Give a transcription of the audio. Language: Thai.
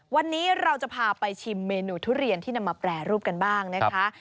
วันนี้เราจะพาไปชิมเมนูทุเรียนที่นำมาแปรรูปกันบ้างนะคะ